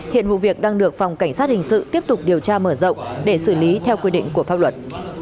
hiện vụ việc đang được phòng cảnh sát hình sự tiếp tục điều tra mở rộng để xử lý theo quy định của pháp luật